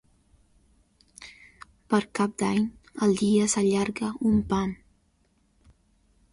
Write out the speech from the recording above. Per Cap d'Any el dia s'allarga un pam.